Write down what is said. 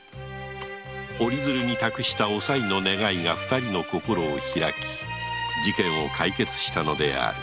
折り鶴に託したおさいの願いが二人の心を開き事件を解決したのである